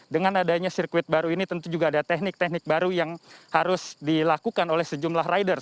dengan adanya sirkuit baru ini tentu juga ada teknik teknik baru yang harus dilakukan oleh sejumlah rider